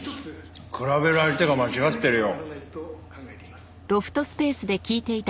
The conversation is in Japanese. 比べる相手が間違ってるよ。